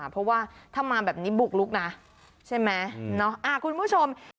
เพราะว่าถ้ามาแบบนี้บุกลุกนะใช่ไหมคุณผู้ชม